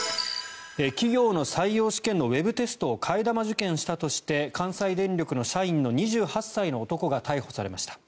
企業の採用試験のウェブテストを替え玉受検したとして関西電力社員の２８歳の男が逮捕されました。